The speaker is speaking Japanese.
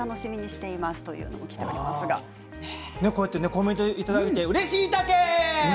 コメントをいただいてうれしいたけ！